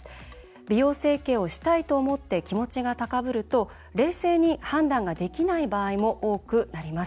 美容整形をしたいと思って気持ちが高ぶると冷静に判断ができない場合も多くなります。